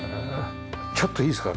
ちょっといいですか？